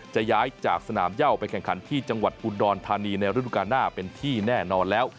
จะย้ายจากสนามเย่าไปแข่งขันที่จังหวัดอุดรธานีในฤดูการหน้าเป็นที่แน่นอนแล้ว